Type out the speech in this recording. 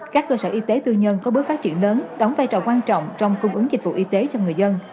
các cơ sở y tế tư nhân có bước phát triển lớn đóng vai trò quan trọng trong cung ứng dịch vụ y tế cho người dân